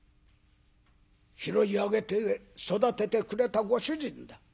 拾い上げて育ててくれたご主人だ。